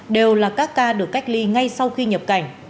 đều là các ca được cách ly ngay sau khi nhập cảnh